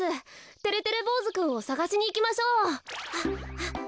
てれてれぼうずくんをさがしにいきましょう。